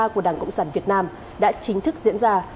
của đảng cộng sản việt nam đã chính thức diễn ra